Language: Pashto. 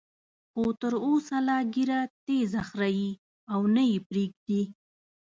خو تر اوسه لا ږیره تېزه خرېي او نه یې پریږدي.